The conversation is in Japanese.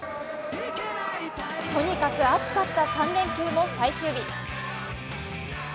とにかく暑かった３連休も最終日。